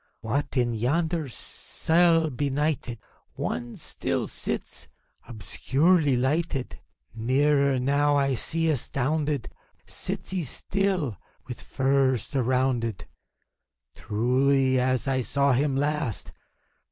What! — ^in yonder cell benighted One still sits, obscurely lighted ! Nearer now, I see, astounded, Still he sits, with furs surrounded, — Truly, as I saw him last.